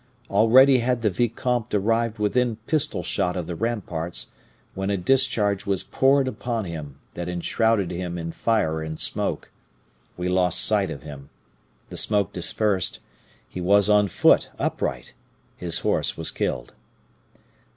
Already had the vicomte arrived within pistol shot of the ramparts, when a discharge was poured upon him that enshrouded him in fire and smoke. We lost sight of him; the smoke dispersed; he was on foot, upright; his horse was killed.